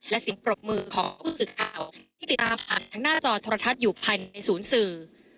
และเสียงปรบมือของผู้สื่อข่าวที่ติดตามผ่านทางหน้าจอโทรทัศน์อยู่ภายในศูนย์สื่อ